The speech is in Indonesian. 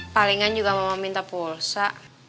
palingan juga mau meminta pulsa